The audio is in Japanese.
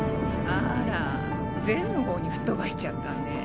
あらゼンの方に吹っ飛ばしちゃったね。